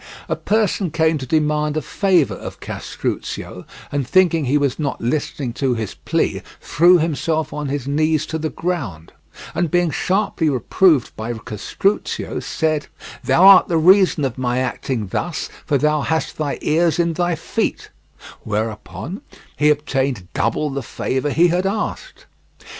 A person came to demand a favour of Castruccio, and thinking he was not listening to his plea threw himself on his knees to the ground, and being sharply reproved by Castruccio, said: "Thou art the reason of my acting thus for thou hast thy ears in thy feet," whereupon he obtained double the favour he had asked.